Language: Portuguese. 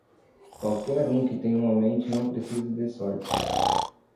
Qualquer um que tenha uma mente não precisa de sorte.